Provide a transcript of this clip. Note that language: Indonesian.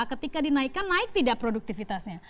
ketika dinaikkan naik tidak produktivitasnya